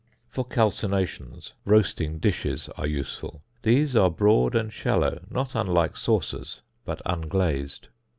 For calcinations, roasting dishes are useful: these are broad and shallow, not unlike saucers, but unglazed.